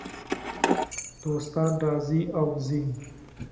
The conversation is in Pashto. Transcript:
دوستان راځي او ځي .